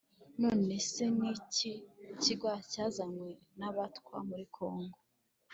none se ni cyi kigwa cyazanye n’abatwa muri kongo?